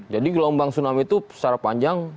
jadi gelombang tsunami itu secara panjang